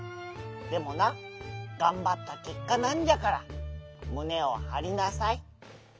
でもながんばったけっかなんじゃからむねをはりなさい！